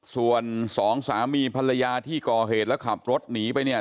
ส่วนสองสามีภรรยาที่ก่อเหตุแล้วขับรถหนีไปเนี่ย